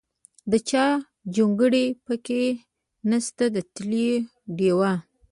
د چا جونګړه پکې نشته د تېلو ډیوه.